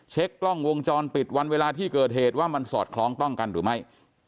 กล้องวงจรปิดวันเวลาที่เกิดเหตุว่ามันสอดคล้องต้องกันหรือไม่